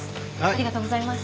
ありがとうございます！